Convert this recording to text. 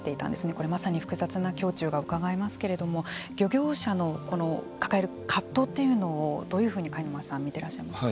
これ、まさに複雑な胸中がうかがえますけれども漁業者の抱える葛藤というのをどういうふうに開沼さんは見てらっしゃいますか。